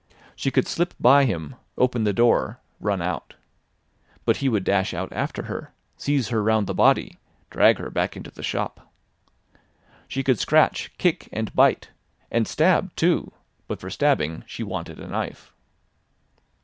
She could slip by him, open the door, run out. But he would dash out after her, seize her round the body, drag her back into the shop. She could scratch, kick, and bite—and stab too; but for stabbing she wanted a knife.